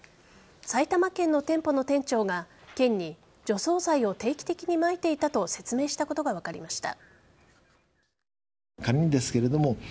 埼玉県の店舗の店長が県に除草剤を定期的にまいていたと説明したことが分かりました。